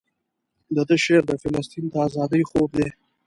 دده شعر د فلسطین د ازادۍ خوب دی.